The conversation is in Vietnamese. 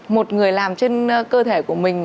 một người làm trên cơ thể của mình